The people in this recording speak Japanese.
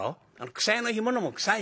くさやの干物も臭いよ。